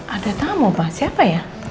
ada tamu pak siapa ya